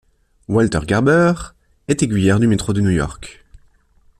Walter Garber est aiguilleur du métro de New York.